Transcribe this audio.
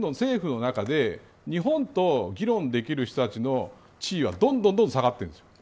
つまり北朝鮮の政府の中で日本と議論できる人たちの地位はどんどん下がってるんです。